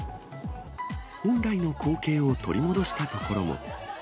本来の光景を取り戻した所も。